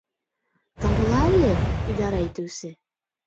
Тыңла ле, идара итеүсе.